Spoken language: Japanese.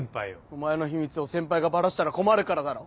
お前の秘密を先輩がバラしたら困るからだろ。